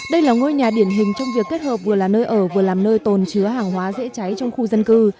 đây là ngôi nhà điển hình trong việc kết hợp vừa là nơi ở vừa làm nơi tồn chứa hàng hóa dễ cháy trong khu dân cư